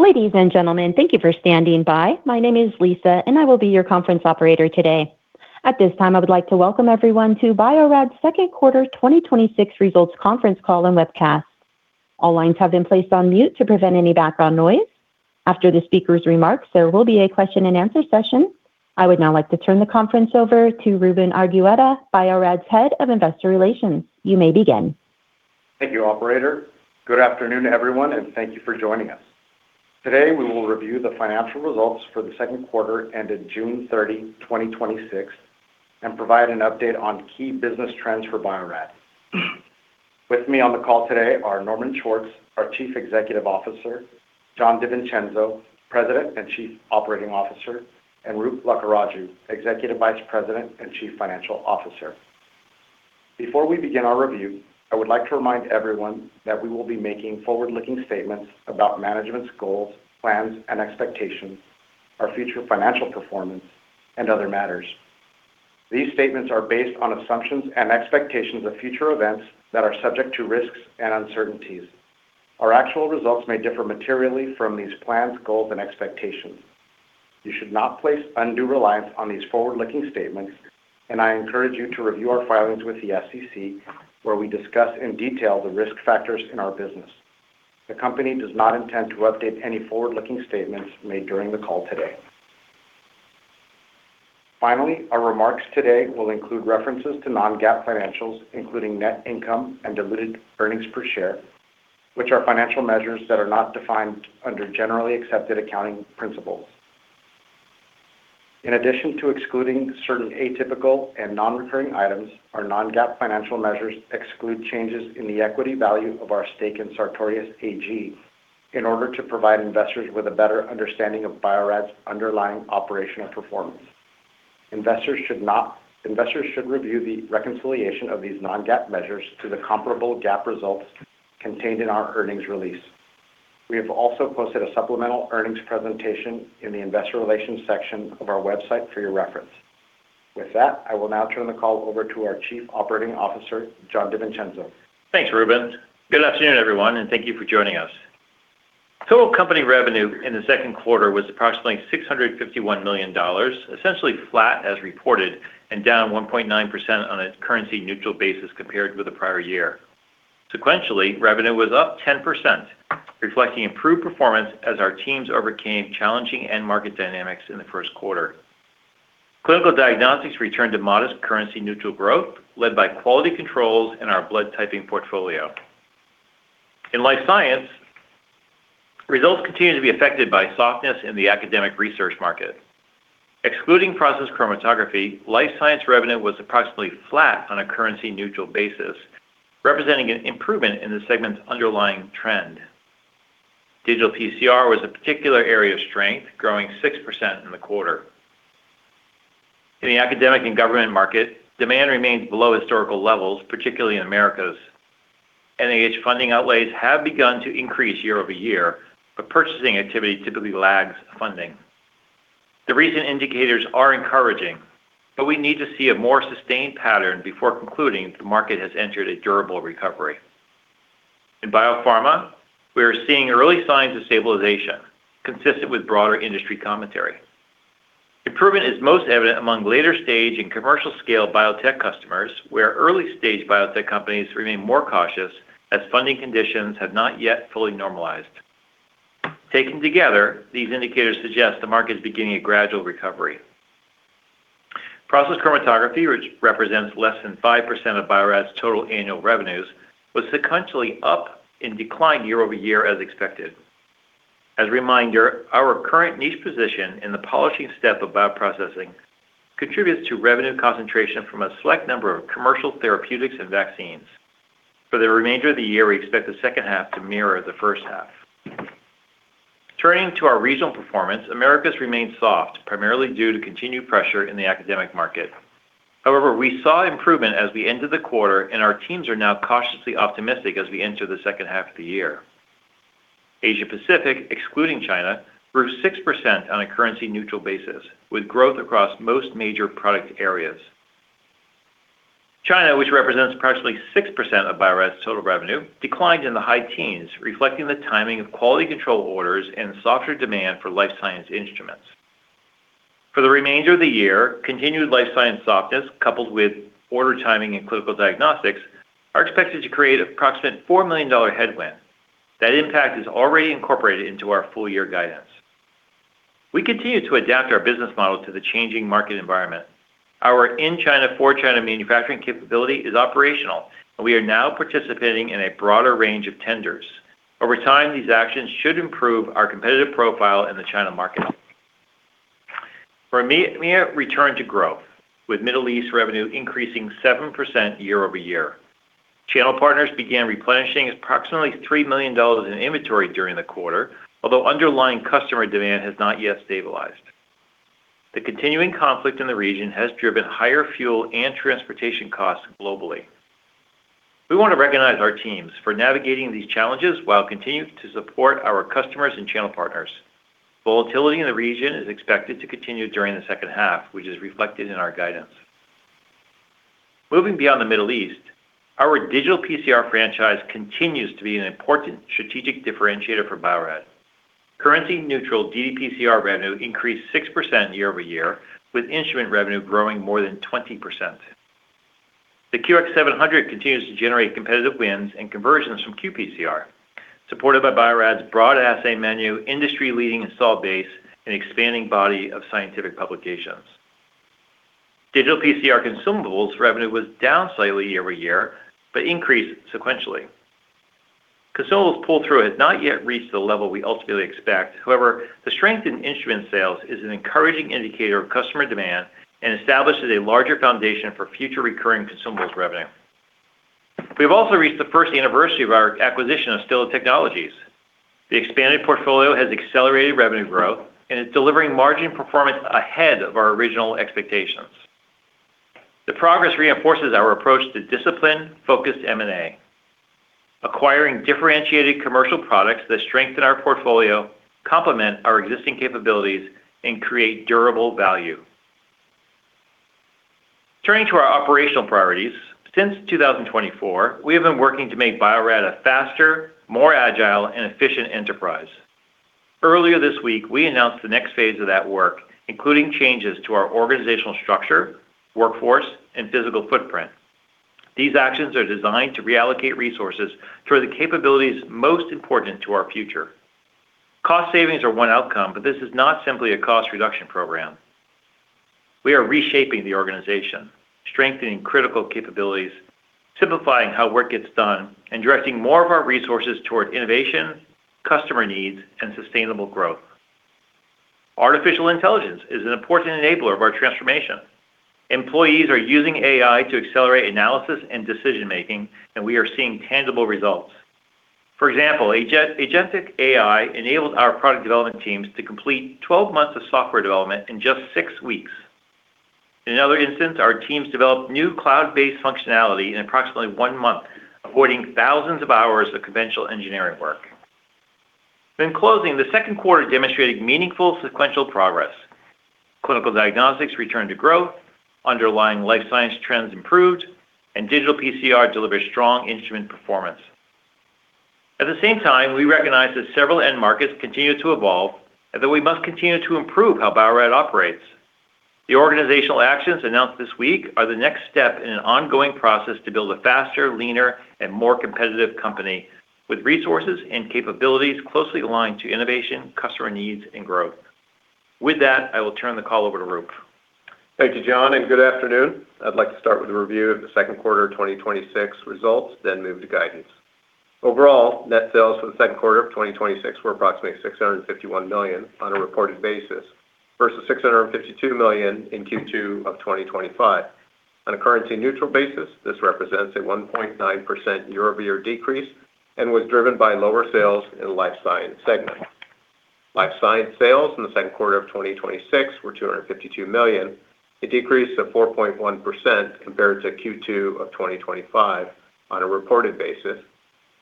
Ladies and gentlemen, thank you for standing by. My name is Lisa, and I will be your conference operator today. At this time, I would like to welcome everyone to Bio-Rad's second quarter 2026 results conference call and webcast. All lines have been placed on mute to prevent any background noise. After the speaker's remarks, there will be a question and answer session. I would now like to turn the conference over to Ruben Argueta, Bio-Rad's Head of Investor Relations. You may begin. Thank you, operator. Good afternoon, everyone, and thank you for joining us. Today, we will review the financial results for the second quarter ended June 30th, 2026, and provide an update on key business trends for Bio-Rad. With me on the call today are Norman Schwartz, our Chief Executive Officer; Jon DiVincenzo, President and Chief Operating Officer; and Roop Lakkaraju, Executive Vice President and Chief Financial Officer. Before we begin our review, I would like to remind everyone that we will be making forward-looking statements about management's goals, plans, and expectations, our future financial performance, and other matters. These statements are based on assumptions and expectations of future events that are subject to risks and uncertainties. Our actual results may differ materially from these plans, goals, and expectations. You should not place undue reliance on these forward-looking statements. I encourage you to review our filings with the SEC, where we discuss in detail the risk factors in our business. The company does not intend to update any forward-looking statements made during the call today. Finally, our remarks today will include references to Non-GAAP financials, including net income and diluted earnings per share, which are financial measures that are not defined under generally accepted accounting principles. In addition to excluding certain atypical and non-recurring items, our Non-GAAP financial measures exclude changes in the equity value of our stake in Sartorius AG, in order to provide investors with a better understanding of Bio-Rad's underlying operational performance. Investors should review the reconciliation of these Non-GAAP measures to the comparable GAAP results contained in our earnings release. We have also posted a supplemental earnings presentation in the investor relations section of our website for your reference. With that, I will now turn the call over to our Chief Operating Officer, Jon DiVincenzo. Thanks, Ruben. Good afternoon, everyone, and thank you for joining us. Total company revenue in the second quarter was approximately $651 million, essentially flat as reported and down 1.9% on a currency-neutral basis compared with the prior year. Sequentially, revenue was up 10%, reflecting improved performance as our teams overcame challenging end market dynamics in the first quarter. Clinical diagnostics returned to modest currency-neutral growth, led by quality controls in our blood typing portfolio. In life science, results continue to be affected by softness in the academic research market. Excluding process chromatography, life science revenue was approximately flat on a currency-neutral basis, representing an improvement in the segment's underlying trend. Digital PCR was a particular area of strength, growing 6% in the quarter. In the academic and government market, demand remains below historical levels, particularly in Americas. NIH funding outlays have begun to increase year-over-year, but purchasing activity typically lags funding. The recent indicators are encouraging, but we need to see a more sustained pattern before concluding that the market has entered a durable recovery. In biopharma, we are seeing early signs of stabilization, consistent with broader industry commentary. Improvement is most evident among later-stage and commercial-scale biotech customers, where early-stage biotech companies remain more cautious as funding conditions have not yet fully normalized. Taken together, these indicators suggest the market is beginning a gradual recovery. Process chromatography, which represents less than 5% of Bio-Rad's total annual revenues, was sequentially up and declined year-over-year as expected. As a reminder, our current niche position in the polishing step of bioprocessing contributes to revenue concentration from a select number of commercial therapeutics and vaccines. For the remainder of the year, we expect the second half to mirror the first half. Turning to our regional performance, Americas remained soft, primarily due to continued pressure in the academic market. We saw improvement as we ended the quarter, and our teams are now cautiously optimistic as we enter the second half of the year. Asia Pacific, excluding China, grew 6% on a currency-neutral basis, with growth across most major product areas. China, which represents approximately 6% of Bio-Rad's total revenue, declined in the high teens, reflecting the timing of quality control orders and softer demand for life science instruments. For the remainder of the year, continued life science softness, coupled with order timing in clinical diagnostics, are expected to create an approximate $4 million headwind. That impact is already incorporated into our full-year guidance. We continue to adapt our business model to the changing market environment. Our in-China, for-China manufacturing capability is operational, and we are now participating in a broader range of tenders. Over time, these actions should improve our competitive profile in the China market. For EMEA, return to growth, with Middle East revenue increasing 7% year-over-year. Channel partners began replenishing approximately $3 million in inventory during the quarter, although underlying customer demand has not yet stabilized. The continuing conflict in the region has driven higher fuel and transportation costs globally. We want to recognize our teams for navigating these challenges while continuing to support our customers and channel partners. Volatility in the region is expected to continue during the second half, which is reflected in our guidance. Moving beyond the Middle East, our digital PCR franchise continues to be an important strategic differentiator for Bio-Rad. Currency-neutral dPCR revenue increased 6% year-over-year, with instrument revenue growing more than 20%. The QX700 continues to generate competitive wins and conversions from qPCR, supported by Bio-Rad's broad assay menu, industry-leading install base, and expanding body of scientific publications. Digital PCR consumables revenue was down slightly year-over-year, but increased sequentially. Consumables pull-through has not yet reached the level we ultimately expect. However, the strength in instrument sales is an encouraging indicator of customer demand and establishes a larger foundation for future recurring consumables revenue. We've also reached the first anniversary of our acquisition of Stilla Technologies. The expanded portfolio has accelerated revenue growth, and it's delivering margin performance ahead of our original expectations. The progress reinforces our approach to disciplined, focused M&A, acquiring differentiated commercial products that strengthen our portfolio, complement our existing capabilities, and create durable value. Turning to our operational priorities, since 2024, we have been working to make Bio-Rad a faster, more agile, and efficient enterprise. Earlier this week, we announced the next phase of that work, including changes to our organizational structure, workforce, and physical footprint. These actions are designed to reallocate resources toward the capabilities most important to our future. Cost savings are one outcome, but this is not simply a cost reduction program. We are reshaping the organization, strengthening critical capabilities, simplifying how work gets done, and directing more of our resources toward innovation, customer needs, and sustainable growth. Artificial intelligence is an important enabler of our transformation. Employees are using AI to accelerate analysis and decision-making, and we are seeing tangible results. For example, agentic AI enabled our product development teams to complete 12 months of software development in just six weeks. In another instance, our teams developed new cloud-based functionality in approximately one month, avoiding thousands of hours of conventional engineering work. In closing, the second quarter demonstrated meaningful sequential progress. Clinical diagnostics returned to growth, underlying life science trends improved, and digital PCR delivered strong instrument performance. At the same time, we recognize that several end markets continue to evolve and that we must continue to improve how Bio-Rad operates. The organizational actions announced this week are the next step in an ongoing process to build a faster, leaner, and more competitive company with resources and capabilities closely aligned to innovation, customer needs, and growth. With that, I will turn the call over to Roop. Thank you, Jon, and good afternoon. I'd like to start with a review of the second quarter 2026 results, then move to guidance. Overall, net sales for the second quarter of 2026 were approximately $651 million on a reported basis versus $652 million in Q2 of 2025. On a currency-neutral basis, this represents a 1.9% year-over-year decrease and was driven by lower sales in the life science segment. Life science sales in the second quarter of 2026 were $252 million, a decrease of 4.1% compared to Q2 of 2025 on a reported basis,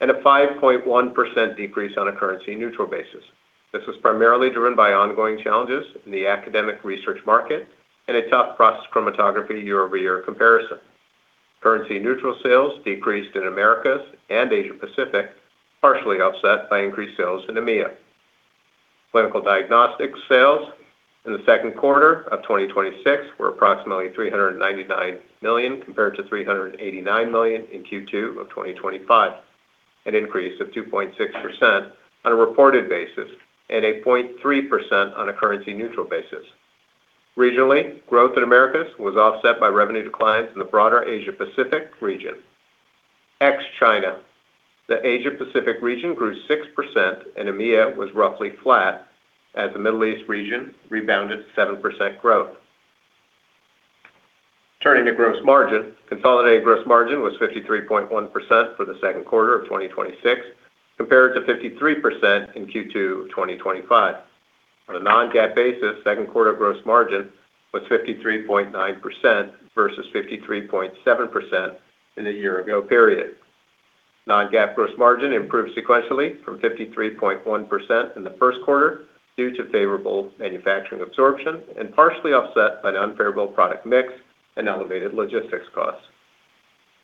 and a 5.1% decrease on a currency-neutral basis. This was primarily driven by ongoing challenges in the academic research market and a tough process chromatography year-over-year comparison. Currency-neutral sales decreased in Americas and Asia Pacific, partially offset by increased sales in EMEA. Clinical diagnostics sales in the second quarter of 2026 were approximately $399 million compared to $389 million in Q2 of 2025, an increase of 2.6% on a reported basis and 0.3% on a currency-neutral basis. Regionally, growth in Americas was offset by revenue declines in the broader Asia Pacific region. Ex-China, the Asia Pacific region grew 6%, and EMEA was roughly flat as the Middle East region rebounded 7% growth. Turning to gross margin, consolidated gross margin was 53.1% for the second quarter of 2026, compared to 53% in Q2 2025. On a Non-GAAP basis, second quarter gross margin was 53.9% versus 53.7% in the year-ago period. Non-GAAP gross margin improved sequentially from 53.1% in the first quarter due to favorable manufacturing absorption and partially offset by an unfavorable product mix and elevated logistics costs.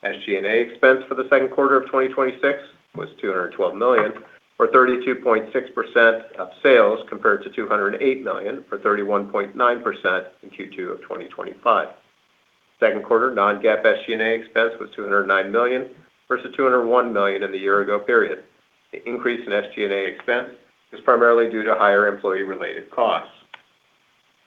SG&A expense for the second quarter of 2026 was $212 million, or 32.6% of sales, compared to $208 million, or 31.9%, in Q2 of 2025. Second quarter Non-GAAP SG&A expense was $209 million versus $201 million in the year-ago period. The increase in SG&A expense is primarily due to higher employee-related costs.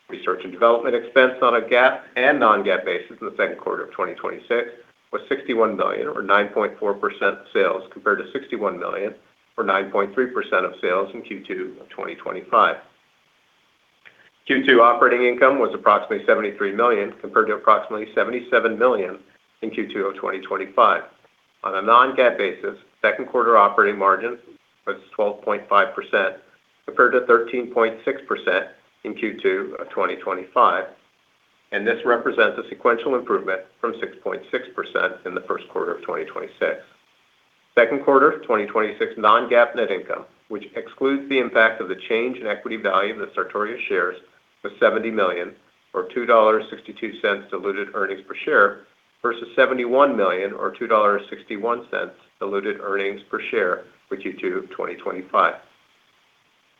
Research and development expense on a GAAP and Non-GAAP basis in the second quarter of 2026 was $61 million, or 9.4% of sales, compared to $61 million, or 9.3% of sales, in Q2 of 2025. Q2 operating income was approximately $73 million, compared to approximately $77 million in Q2 of 2025. On a Non-GAAP basis, second quarter operating margin was 12.5% compared to 13.6% in Q2 of 2025. This represents a sequential improvement from 6.6% in the first quarter of 2026. Second quarter 2026 Non-GAAP net income, which excludes the impact of the change in equity value of the Sartorius shares of $70 million, or $2.62 diluted earnings per share versus $71 million or $2.61 diluted earnings per share for Q2 2025.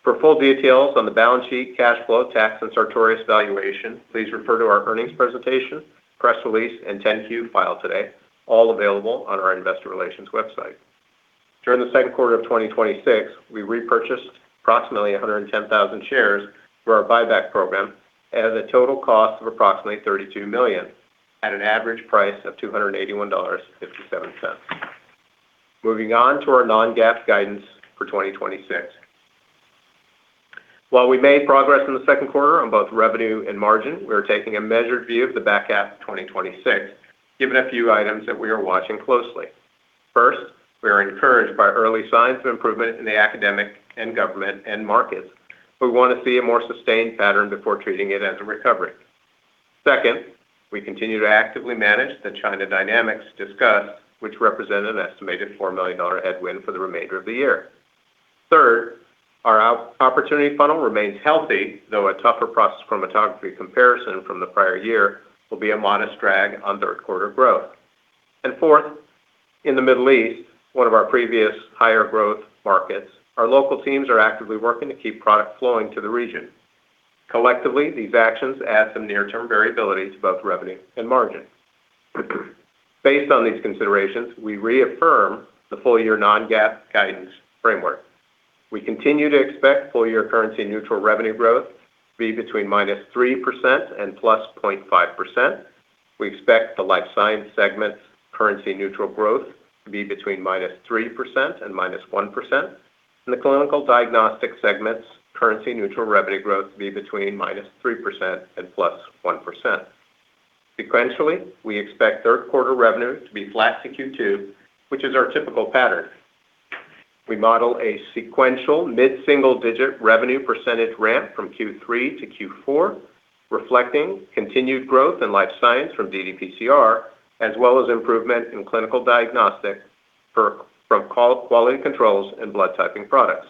For full details on the balance sheet, cash flow, tax, and Sartorius valuation, please refer to our earnings presentation, press release, and 10-Q filed today, all available on our investor relations website. During the second quarter of 2026, we repurchased approximately 110,000 shares for our buyback program at a total cost of approximately $32 million at an average price of $281.57. Moving on to our Non-GAAP guidance for 2026. While we made progress in the second quarter on both revenue and margin, we are taking a measured view of the back half of 2026, given a few items that we are watching closely. First, we are encouraged by early signs of improvement in the academic and government end markets. We want to see a more sustained pattern before treating it as a recovery. Second, we continue to actively manage the China dynamics discussed, which represent an estimated $4 million headwind for the remainder of the year. Third, our opportunity funnel remains healthy, though a tougher process chromatography comparison from the prior year will be a modest drag on third quarter growth. Fourth, in the Middle East, one of our previous higher growth markets, our local teams are actively working to keep product flowing to the region. Collectively, these actions add some near-term variability to both revenue and margin. Based on these considerations, we reaffirm the full-year Non-GAAP guidance framework. We continue to expect full-year currency-neutral revenue growth to be between -3% and +0.5%. We expect the life science segment's currency-neutral growth to be between -3% and -1%, and the clinical diagnostic segment's currency-neutral revenue growth to be between -3% and +1%. Sequentially, we expect third quarter revenue to be flat to Q2, which is our typical pattern. We model a sequential mid-single-digit revenue percentage ramp from Q3 to Q4, reflecting continued growth in life science from ddPCR, as well as improvement in clinical diagnostic from quality controls and blood typing products.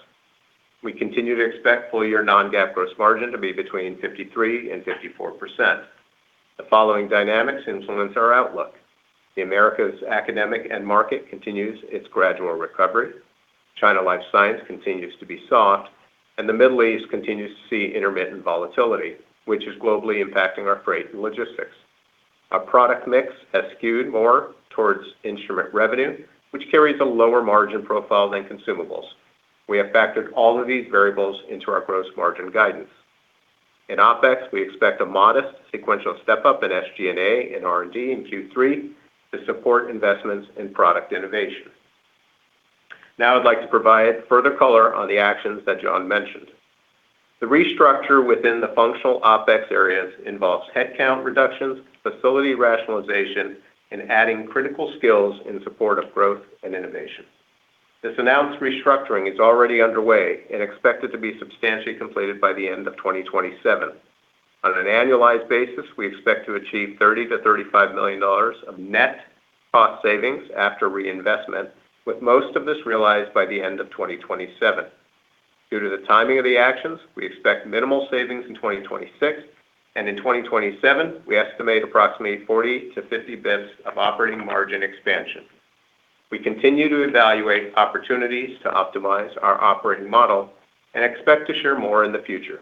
We continue to expect full-year Non-GAAP gross margin to be between 53% and 54%. The following dynamics influence our outlook. The Americas' academic end market continues its gradual recovery. China life science continues to be soft, and the Middle East continues to see intermittent volatility, which is globally impacting our freight and logistics. Our product mix has skewed more towards instrument revenue, which carries a lower margin profile than consumables. We have factored all of these variables into our gross margin guidance. In OpEx, we expect a modest sequential step-up in SG&A and R&D in Q3 to support investments in product innovation. Now I'd like to provide further color on the actions that Jon mentioned. The restructure within the functional OpEx areas involves headcount reductions, facility rationalization, and adding critical skills in support of growth and innovation. This announced restructuring is already underway and expected to be substantially completed by the end of 2027. On an annualized basis, we expect to achieve $30 million-$35 million of net cost savings after reinvestment, with most of this realized by the end of 2027. Due to the timing of the actions, we expect minimal savings in 2026, and in 2027, we estimate approximately 40-50 bps of operating margin expansion. We continue to evaluate opportunities to optimize our operating model and expect to share more in the future.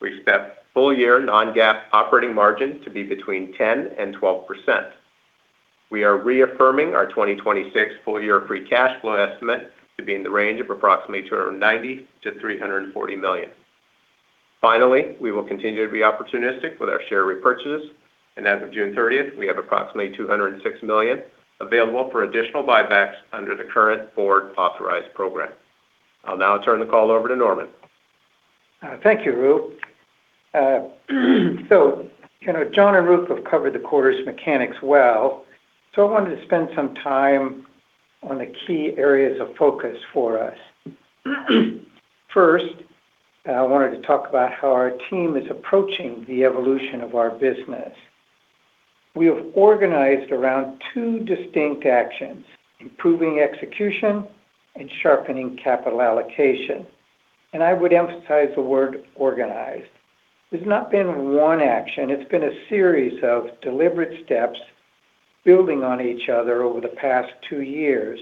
We expect full-year Non-GAAP operating margin to be between 10% and 12%. We are reaffirming our 2026 full-year free cash flow estimate to be in the range of approximately $290 million-$340 million. Finally, we will continue to be opportunistic with our share repurchases, and as of June 30th, we have approximately $206 million available for additional buybacks under the current board-authorized program. I'll now turn the call over to Norman. Thank you, Roop. Jon and Roop have covered the quarter's mechanics well, so I wanted to spend some time on the key areas of focus for us. First, I wanted to talk about how our team is approaching the evolution of our business. We have organized around two distinct actions: improving execution and sharpening capital allocation. And I would emphasize the word organized. There's not been one action. It's been a series of deliberate steps building on each other over the past two years.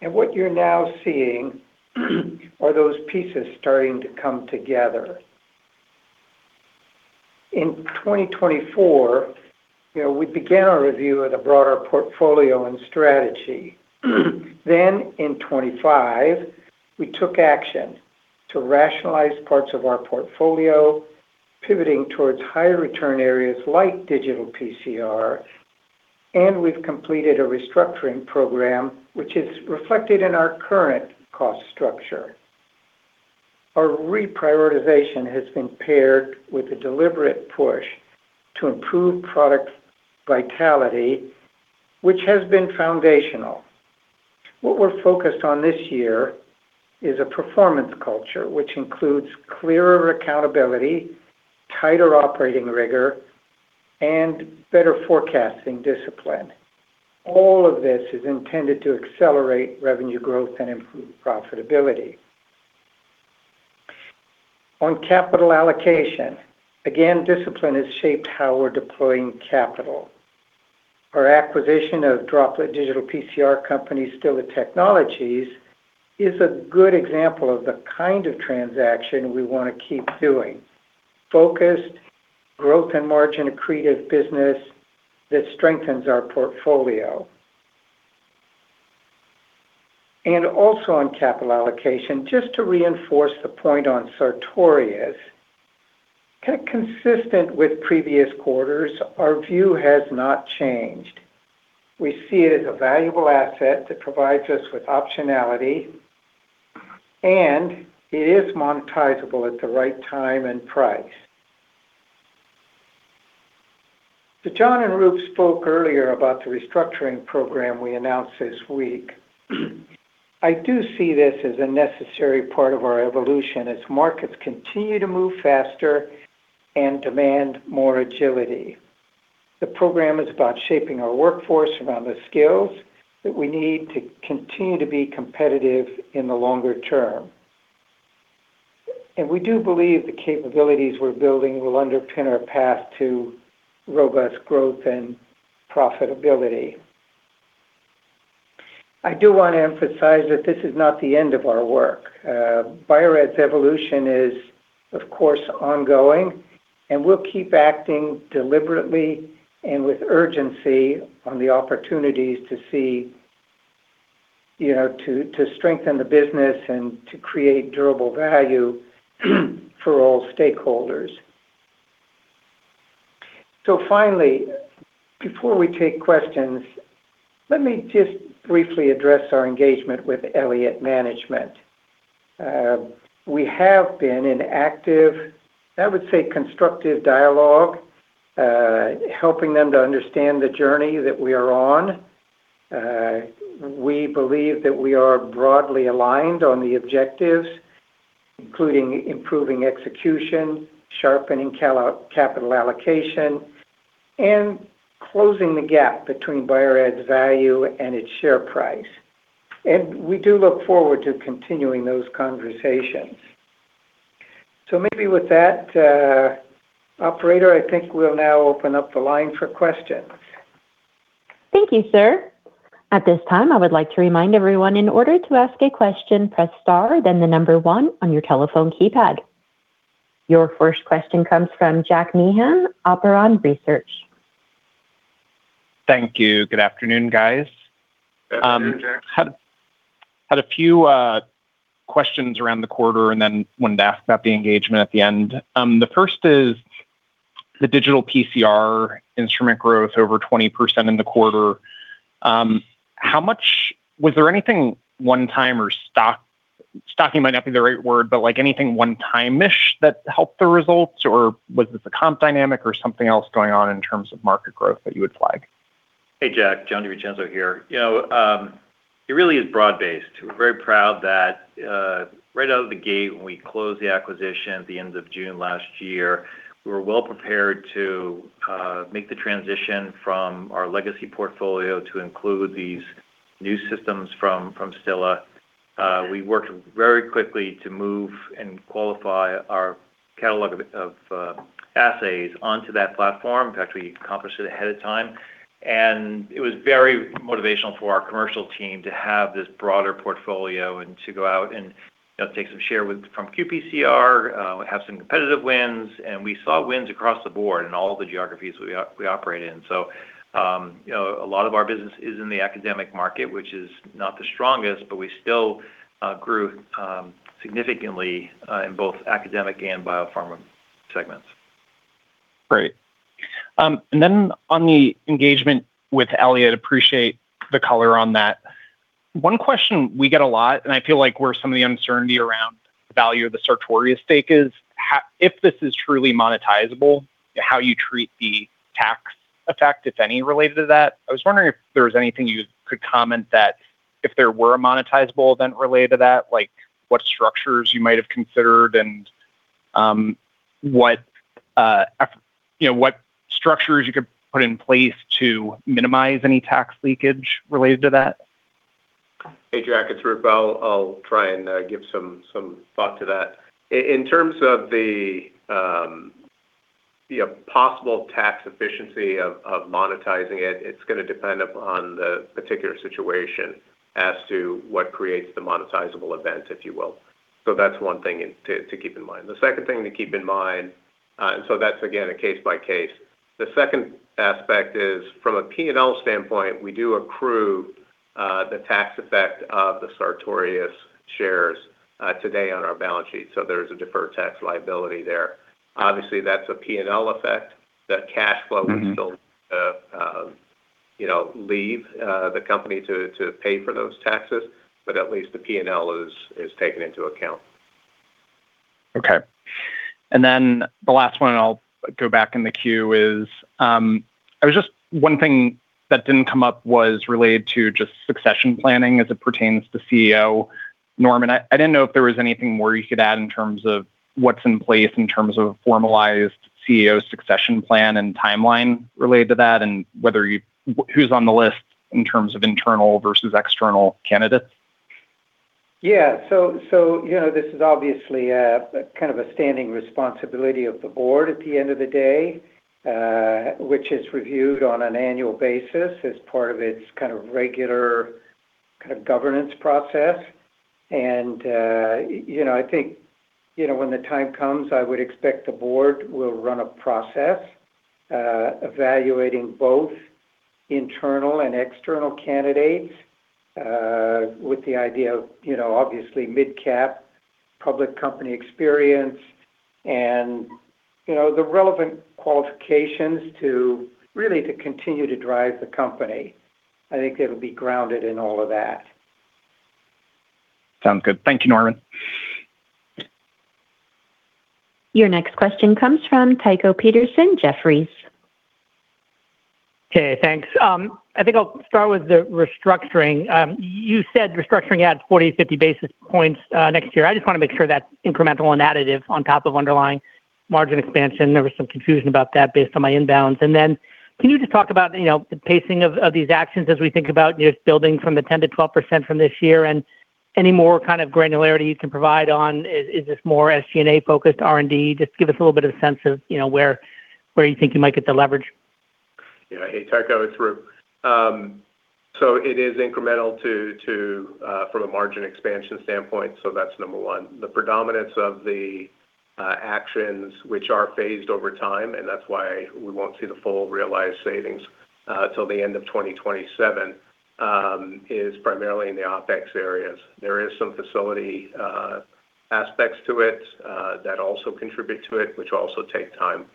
In 2024, we began our review of the broader portfolio and strategy. In 2025, we took action to rationalize parts of our portfolio, pivoting towards higher return areas like digital PCR, and we've completed a restructuring program, which is reflected in our current cost structure. Our reprioritization has been paired with a deliberate push to improve product vitality, which has been foundational. What we're focused on this year is a performance culture, which includes clearer accountability, tighter operating rigor, better forecasting discipline. All of this is intended to accelerate revenue growth and improve profitability. On capital allocation, again, discipline has shaped how we're deploying capital. Our acquisition of Droplet Digital PCR company, Stilla Technologies, is a good example of the kind of transaction we want to keep doing. Focused, growth, and margin-accretive business that strengthens our portfolio. Also on capital allocation, just to reinforce the point on Sartorius. Consistent with previous quarters, our view has not changed. We see it as a valuable asset that provides us with optionality, and it is monetizable at the right time and price. Jon and Roop spoke earlier about the restructuring program we announced this week. I do see this as a necessary part of our evolution as markets continue to move faster and demand more agility. The program is about shaping our workforce around the skills that we need to continue to be competitive in the longer term. We do believe the capabilities we're building will underpin our path to robust growth and profitability. I do want to emphasize that this is not the end of our work. Bio-Rad's evolution is, of course, ongoing, and we'll keep acting deliberately and with urgency on the opportunities to see, to strengthen the business, and to create durable value for all stakeholders. Finally, before we take questions, let me just briefly address our engagement with Elliott Management. We have been in active, I would say constructive dialogue, helping them to understand the journey that we are on. We believe that we are broadly aligned on the objectives, including improving execution, sharpening capital allocation, and closing the gap between Bio-Rad's value and its share price. We do look forward to continuing those conversations. Maybe with that, operator, I think we'll now open up the line for questions. Thank you, sir. At this time, I would like to remind everyone in order to ask a question, press star, then the number 1 on your telephone keypad. Your first question comes from Jack Meehan, Operon Research. Thank you. Good afternoon, guys. Good afternoon, Jack. Had a few questions around the quarter. Then wanted to ask about the engagement at the end. The first is the digital PCR instrument growth over 20% in the quarter. Was there anything one time, or stock—stocking might not be the right word, but like anything one time-ish that helped the results? Was this a comp dynamic or something else going on in terms of market growth that you would flag? Hey, Jack. Jon DiVincenzo here. It really is broad-based. We're very proud that right out of the gate, when we closed the acquisition at the end of June last year, we were well prepared to make the transition from our legacy portfolio to include these new systems from Stilla. We worked very quickly to move and qualify our catalog of assays onto that platform. In fact, we accomplished it ahead of time. It was very motivational for our commercial team to have this broader portfolio and to go out and take some share from qPCR, have some competitive wins. We saw wins across the board in all the geographies we operate in. A lot of our business is in the academic market, which is not the strongest, but we still grew significantly in both academic and biopharma segments. Great. On the engagement with Elliott, appreciate the color on that. One question we get a lot, and I feel like where some of the uncertainty around the value of the Sartorius stake is, if this is truly monetizable, how you treat the tax effect, if any, related to that? I was wondering if there was anything you could comment that if there were a monetizable event related to that, like what structures you might have considered and what structures you could put in place to minimize any tax leakage related to that? Hey, Jack, it's Roop. I'll try and give some thought to that. In terms of the possible tax efficiency of monetizing, it's going to depend upon the particular situation as to what creates the monetizable event, if you will. That's one thing to keep in mind. The second thing to keep in mind is that, again, a case by case. The second aspect is from a P&L standpoint; we do accrue the tax effect of the Sartorius shares today on our balance sheet. There's a deferred tax liability there. Obviously, that's a P&L effect, that cash flow- We still leave the company to pay for those taxes, but at least the P&L is taken into account. Okay. The last one, and I'll go back in the queue, is, one thing that didn't come up was related to just succession planning as it pertains to CEO Norman, I didn't know if there was anything more you could add in terms of what's in place in terms of formalized CEO succession plan and timeline related to that, and who's on the list in terms of internal versus external candidates? Yeah. This is obviously kind of a standing responsibility of the board at the end of the day, which is reviewed on an annual basis as part of its kind of regular kind of governance process. I think, when the time comes, I would expect the board will run a process, evaluating both internal and external candidates, with the idea of, obviously, mid-cap public company experience and the relevant qualifications to really continue to drive the company. I think it'll be grounded in all of that. Sounds good. Thank you, Norman. Your next question comes from Tycho Peterson, Jefferies. Okay, thanks. I think I'll start with the restructuring. You said restructuring adds 40, 50 basis points next year. I just want to make sure that's incremental and additive on top of underlying margin expansion. There was some confusion about that based on my inbounds. Can you just talk about the pacing of these actions as we think about just building from the 10%-12% from this year and any more kind of granularity you can provide on, is this more SG&A-focused, R&D? Just give us a little bit of a sense of where you think you might get the leverage. Hey, Tycho, it's Roop. It is incremental from a margin expansion standpoint. That's number one. The predominance of the actions, which are phased over time, and that's why we won't see the full realized savings, till the end of 2027, is primarily in the OpEx areas. There is some facility aspects to it that also contribute to it, which also take time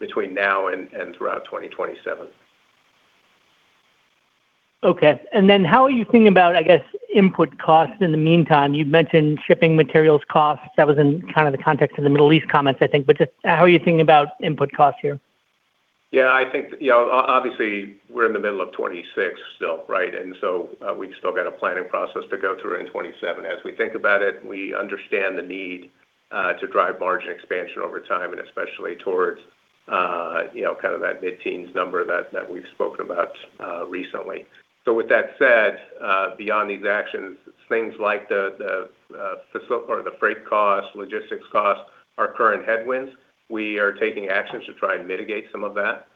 between now and throughout 2027. Okay. How are you thinking about, I guess, input costs in the meantime? You've mentioned shipping materials costs. That was in kind of the context of the Middle East comments, I think. Just how are you thinking about input costs here? Yeah, I think, obviously, we're in the middle of 2026 still, right? We've still got a planning process to go through in 2027. As we think about it, we understand the need to drive margin expansion over time, and especially towards kind of that mid-teens number that we've spoken about recently. With that said, beyond these actions, things like the freight costs, logistics costs are current headwinds. We are taking actions to try and mitigate some of that,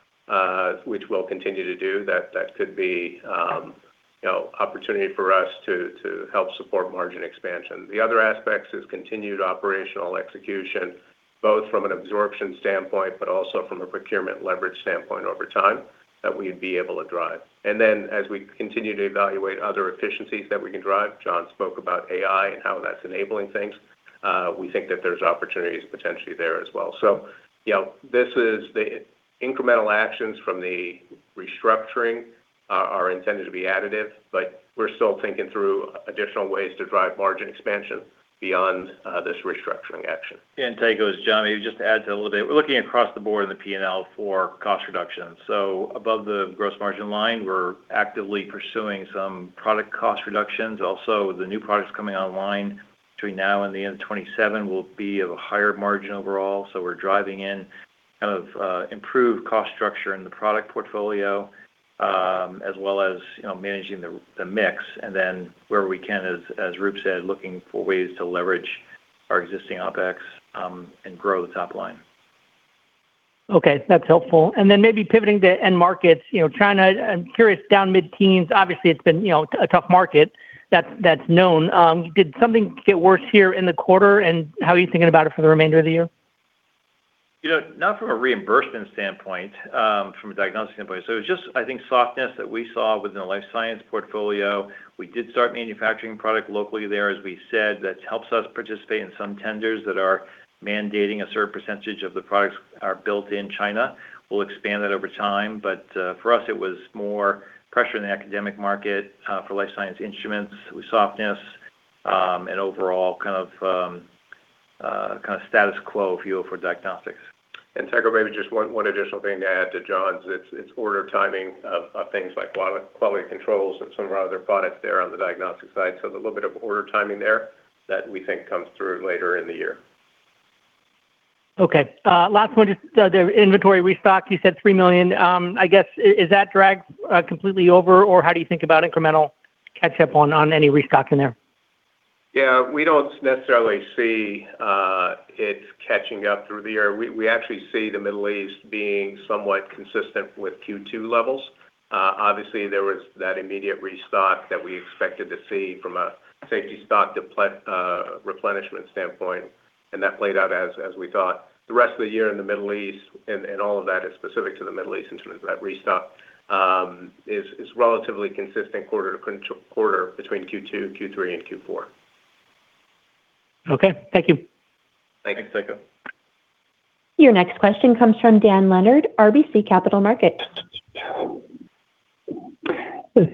which we'll continue to do. That could be an opportunity for us to help support margin expansion. The other aspect is continued operational execution, both from an absorption standpoint, but also from a procurement leverage standpoint over time that we'd be able to drive. As we continue to evaluate other efficiencies that we can drive, Jon spoke about AI and how that's enabling things. We think that there's opportunities potentially there as well. The incremental actions from the restructuring are intended to be additive, but we're still thinking through additional ways to drive margin expansion beyond this restructuring action. Tycho, it's Jon. Maybe just to add a little bit. We're looking across the board in the P&L for cost reduction. Above the gross margin line, we're actively pursuing some product cost reductions. Also, the new products coming online between now and the end of 2027 will be of a higher margin overall. We're driving in kind of improved cost structure in the product portfolio, as well as managing the mix. Where we can, as Roop said, looking for ways to leverage our existing OpEx and grow the top line. That's helpful. Maybe pivoting to end markets. China, I'm curious, down mid-teens. Obviously, it's been a tough market. That's known. Did something get worse here in the quarter, and how are you thinking about it for the remainder of the year? Not from a reimbursement standpoint, from a diagnostic standpoint. It was just, I think, softness that we saw within the life science portfolio. We did start manufacturing product locally there, as we said. That helps us participate in some tenders that are mandating a certain percentage of the products are built in China. We'll expand that over time. For us, it was more pressure in the academic market, for life science instruments with softness, and overall kind of status quo feel for diagnostics. Tycho, maybe just one additional thing to add to Jon's. It's order timing of things like quality controls and some of our other products there on the diagnostic side. There's a little bit of order timing there that we think comes through later in the year. Okay. Last one, just the inventory restock, you said $3 million. I guess, is that drag completely over, or how do you think about incremental catch-up on any restock in there? Yeah, we don't necessarily see it catching up through the year. We actually see the Middle East being somewhat consistent with Q2 levels. Obviously, there was that immediate restock that we expected to see from a safety stock replenishment standpoint, and that played out as we thought. The rest of the year in the Middle East, and all of that is specific to the Middle East in terms of that restock, is relatively consistent quarter between Q2, Q3, and Q4. Okay. Thank you. Thanks. Thanks, Tycho. Your next question comes from Dan Leonard, RBC Capital Markets.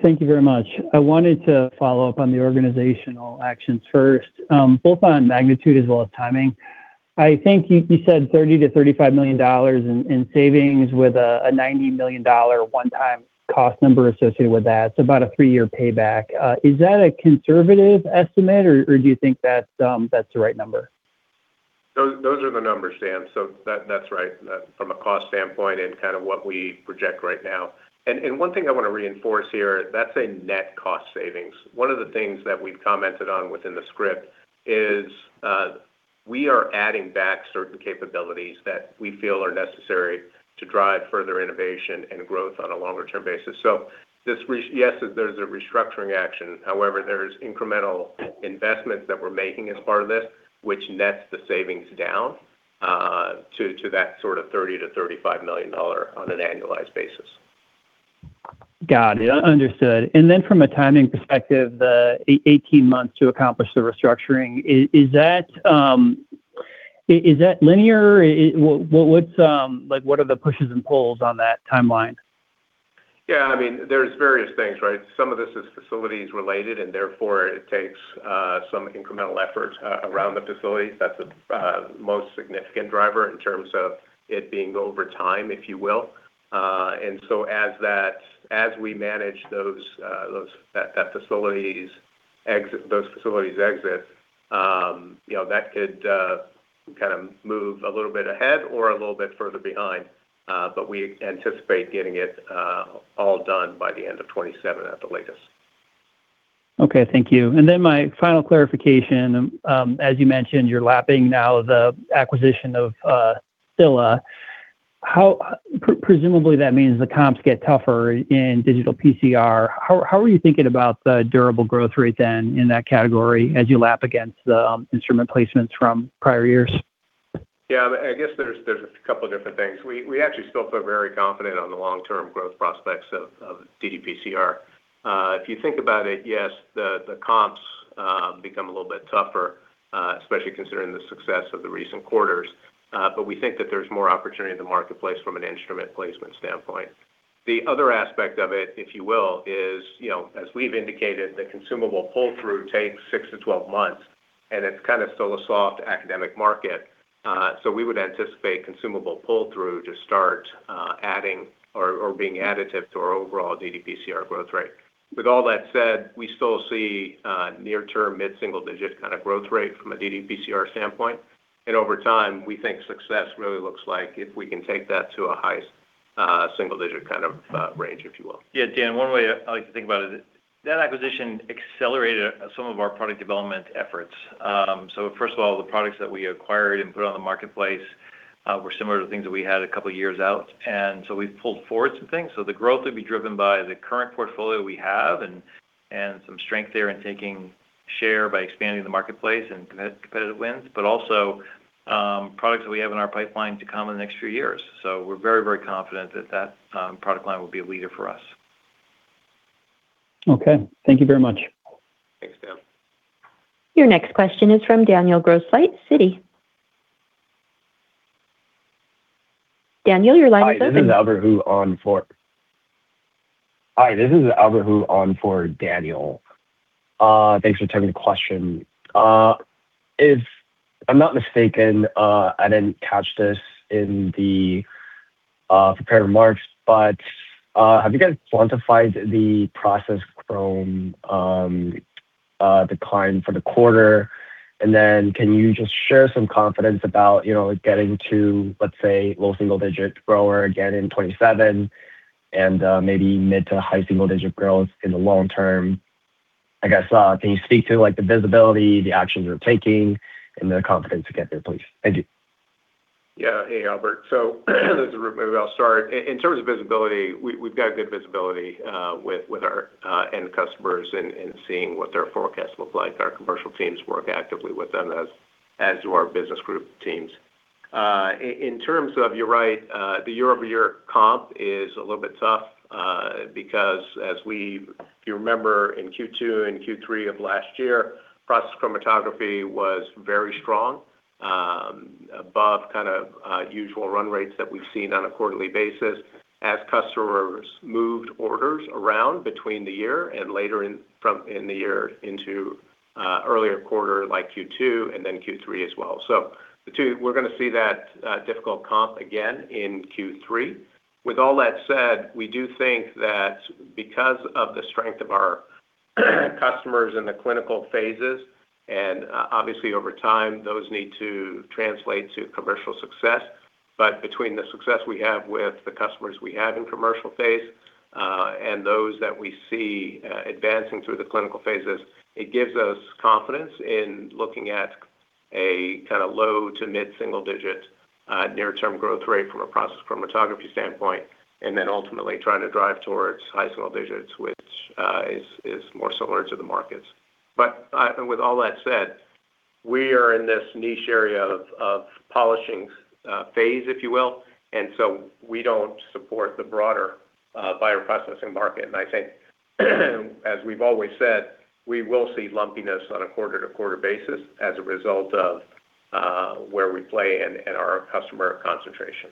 Thank you very much. I wanted to follow up on the organizational actions first, both on magnitude as well as timing. I think you said $30 million-$35 million in savings with a $90 million one-time cost number associated with that. It's about a three-year payback. Is that a conservative estimate, or do you think that's the right number? Those are the numbers, Dan. That's right from a cost standpoint and what we project right now. One thing I want to reinforce here, that's a net cost savings. One of the things that we've commented on within the script is we are adding back certain capabilities that we feel are necessary to drive further innovation and growth on a longer-term basis. Yes, there's a restructuring action. However, there's incremental investments that we're making as part of this, which nets the savings down to that sort of $30 million-$35 million on an annualized basis. Got it. Understood. From a timing perspective, the 18 months to accomplish the restructuring, is that linear? What are the pushes and pulls on that timeline? Yeah, there's various things, right? Some of this is facilities-related, and therefore it takes some incremental efforts around the facilities. That's the most significant driver in terms of it being over time, if you will. As we manage those facilities exit, that could move a little bit ahead or a little bit further behind. We anticipate getting it all done by the end of 2027 at the latest. Okay. Thank you. My final clarification, as you mentioned, you're lapping now the acquisition of Stilla. Presumably that means the comps get tougher in digital PCR. How are you thinking about the durable growth rate then in that category as you lap against the instrument placements from prior years? Yeah, I guess there's a couple of different things. We actually still feel very confident on the long-term growth prospects of ddPCR. If you think about it, yes, the comps become a little bit tougher, especially considering the success of the recent quarters. We think that there's more opportunity in the marketplace from an instrument placement standpoint. The other aspect of it, if you will, is, as we've indicated, the consumable pull-through takes six to 12 months, and it's kind of still a soft academic market. We would anticipate consumable pull-through to start adding or being additive to our overall ddPCR growth rate. With all that said, we still see anear-term, mid-single-digit kind of growth rate from a ddPCR standpoint. Over time, we think success really looks like if we can take that to a high-single-digit kind of range, if you will. Yeah, Dan, one way I like to think about it, that acquisition accelerated some of our product development efforts. First of all, the products that we acquired and put on the marketplace were similar to things that we had a couple of years out. We've pulled forward some things. The growth would be driven by the current portfolio we have and some strength there in taking share by expanding the marketplace and competitive wins, but also products that we have in our pipeline to come in the next few years. We're very, very confident that that product line will be a leader for us. Okay. Thank you very much. Thanks, Dan. Your next question is from Daniel Gross, LightShed. Daniel, your line is open. Hi, this is Albert Hu on for Daniel. Thanks for taking the question. If I'm not mistaken, I didn't catch this in the prepared remarks, but have you guys quantified the process chrome decline for the quarter? Can you just share some confidence about getting to, let's say, low single-digit grower again in 2027 and maybe mid-to-high single-digit growth in the long term? Can you speak to the visibility, the actions you're taking, and the confidence to get there, please? Thank you. Hey, Albert. Maybe I'll start. In terms of visibility, we've got good visibility with our end customers and seeing what their forecasts look like. Our commercial teams work actively with them, as do our business group teams. In terms of, you're right, the year-over-year comp is a little bit tough, because as if you remember in Q2 and Q3 of last year, process chromatography was very strong, above usual run rates that we've seen on a quarterly basis as customers moved orders around between the year and later in the year into earlier quarter like Q2 and then Q3 as well. We're going to see that difficult comp again in Q3. With all that said, we do think that because of the strength of our customers in the clinical phases, and obviously over time, those need to translate to commercial success. Between the success we have with the customers we have in commercial phase, and those that we see advancing through the clinical phases, it gives us confidence in looking at a low-to-mid single-digit near-term growth rate from a process chromatography standpoint, then ultimately trying to drive towards high single-digits, which is more similar to the markets. With all that said, we are in this niche area of polishing phase, if you will. We don't support the broader bioprocessing market. I think, as we've always said, we will see lumpiness on a quarter-to-quarter basis as a result of where we play and our customer concentration.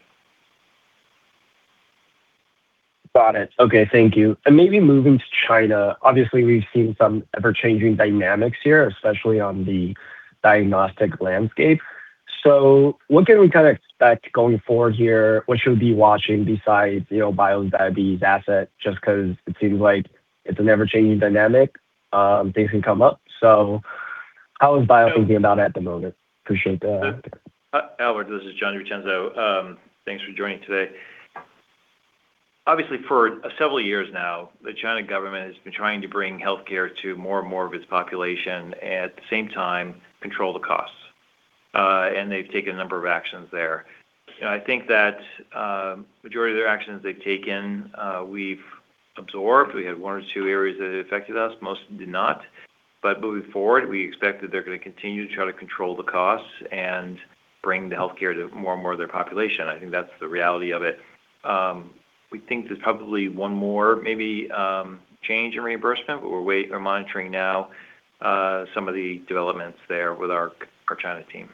Got it. Okay, thank you. Maybe moving to China; obviously, we've seen some ever-changing dynamics here, especially on the diagnostic landscape. What can we expect going forward here? What should we be watching besides Bio's diabetes asset? Just because it seems like it's an ever-changing dynamic, things can come up. How is Bio thinking about it at the moment? Appreciate that. Albert, this is Jon DiVincenzo. Thanks for joining today. Obviously, for several years now, the China government has been trying to bring healthcare to more and more of its population, at the same time, control the costs. They've taken a number of actions there. I think that majority of the actions they've taken, we've absorbed. We had one or two areas that affected us. Most did not. Moving forward, we expect that they're going to continue to try to control the costs and bring the healthcare to more and more of their population. I think that's the reality of it. We think there's probably one more, maybe change in reimbursement, but we're monitoring now some of the developments there with our China team.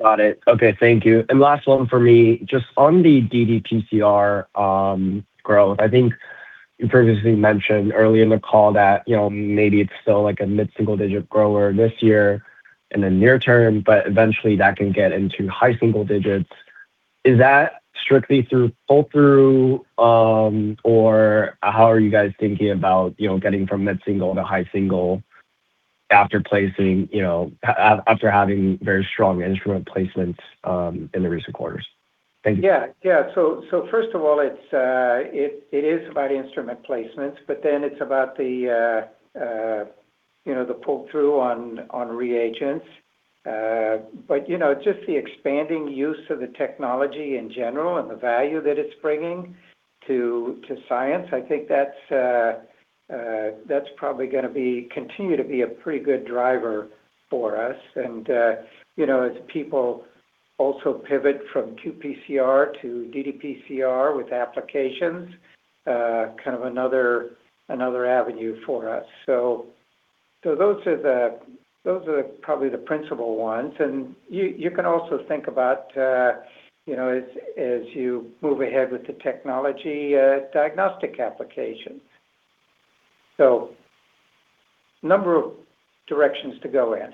Got it. Okay, thank you. Last one from me, just on the ddPCR growth, I think you previously mentioned earlier in the call that maybe it's still a mid-single digit grower this year in the near term, but eventually that can get into high single digits. Is that strictly through pull-through, or how are you guys thinking about getting from mid-single to high single after having very strong instrument placements in the recent quarters? Thank you. Yeah. First of all, it is about instrument placements; it's about the pull-through on reagents. Just the expanding use of the technology in general and the value that it's bringing to science, I think that's probably going to continue to be a pretty good driver for us. As people also pivot from qPCR to ddPCR with applications, kind of another avenue for us. Those are probably the principal ones. You can also think about, as you move ahead with the technology, diagnostic application. A number of directions to go in.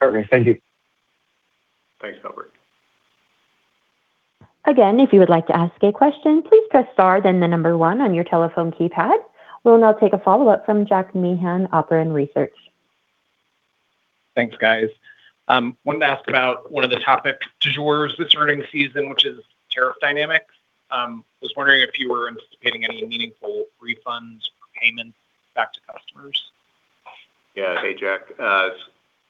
Perfect. Thank you. Thanks, Albert. If you would like to ask a question, please press star, then the number one on your telephone keypad. We'll now take a follow-up from Jack Meehan, Operon Research. Thanks, guys. Wanted to ask about one of the topics du jour this earnings season, which is tariff dynamics. Just wondering if you were anticipating any meaningful refunds or payments back to customers. Yeah. Hey, Jack.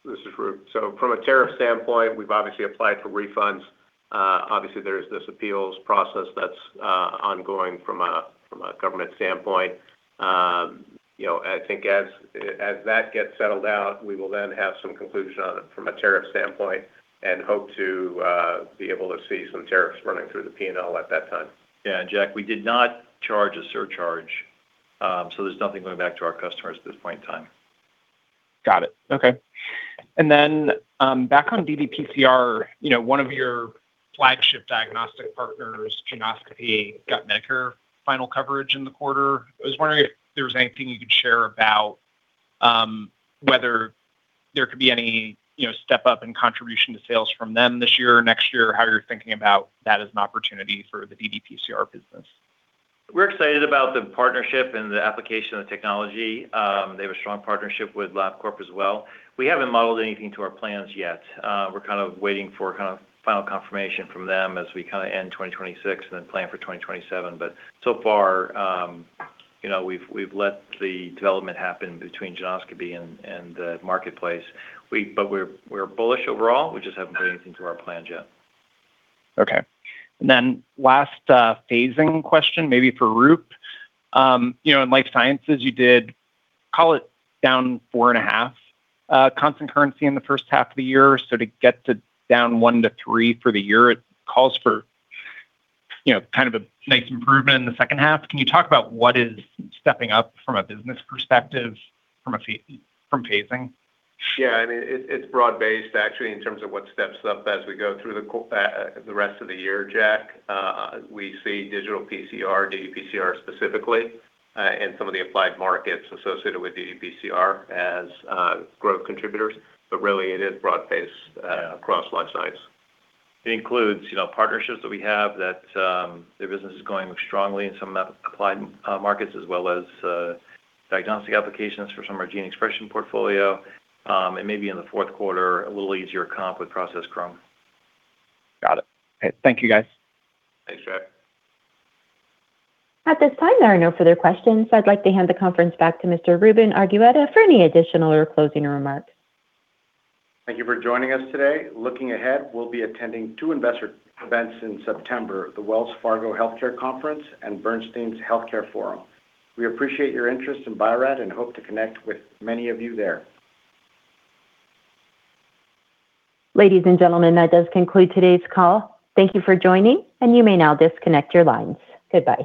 This is Roop. From a tariff standpoint, we've obviously applied for refunds. Obviously, there's this appeals process that's ongoing from a government standpoint. I think as that gets settled out, we will then have some conclusion on it from a tariff standpoint and hope to be able to see some tariffs running through the P&L at that time. Yeah. Jack, we did not charge a surcharge, so there's nothing going back to our customers at this point in time. Got it. Okay. Back on ddPCR, one of your flagship diagnostic partners, Geneoscopy, got Medicare final coverage in the quarter. I was wondering if there was anything you could share about whether there could be any step up in contribution to sales from them this year or next year, how you're thinking about that as an opportunity for the ddPCR business. We're excited about the partnership and the application of the technology. They have a strong partnership with Labcorp as well. We haven't modeled anything to our plans yet. We're kind of waiting for final confirmation from them as we end 2026 and then plan for 2027. So far, we've let the development happen between Geneoscopy and the marketplace. We're bullish overall. We just haven't put anything to our plan yet. Okay. Last, phasing question, maybe for Roop. In life sciences, you did call it down 4.5 constant currency in the first half of the year. To get to down 1-3 for the year, it calls for kind of a nice improvement in the second half. Can you talk about what is stepping up from a business perspective from phasing? It's broad-based, actually, in terms of what steps up as we go through the rest of the year, Jack. We see digital PCR, ddPCR specifically, and some of the applied markets associated with ddPCR as growth contributors, but really it is broad-based across life science. It includes partnerships that we have that their business is going strongly in some applied markets as well as diagnostic applications for some of our gene expression portfolio. Maybe in the fourth quarter, a little easier comp with process chromatography. Got it. Thank you, guys. Thanks, Jack. At this time, there are no further questions. I'd like to hand the conference back to Mr. Ruben Argueta for any additional or closing remarks. Thank you for joining us today. Looking ahead, we'll be attending two investor events in September, the Wells Fargo Healthcare Conference and Bernstein Healthcare Forum. We appreciate your interest in Bio-Rad and hope to connect with many of you there. Ladies and gentlemen, that does conclude today's call. Thank you for joining, and you may now disconnect your lines. Goodbye.